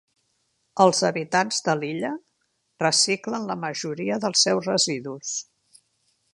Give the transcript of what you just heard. Els habitants de l'illa reciclen la majoria dels seus residus.